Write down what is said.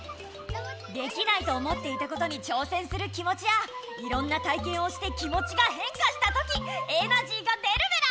できないと思っていたことにちょうせんする気もちやいろんな体けんをして気もちがへんかしたときエナジーが出るメラ！